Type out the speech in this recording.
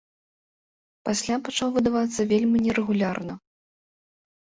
Пасля пачаў выдавацца вельмі нерэгулярна.